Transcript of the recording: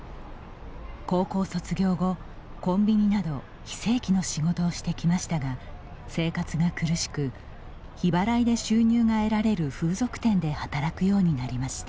高校卒業後、コンビニなど非正規の仕事をしてきましたが生活が苦しく日払いで収入が得られる風俗店で働くようになりました。